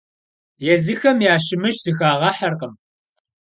Езыхэм ящымыщ зыхагъэхьэркъым.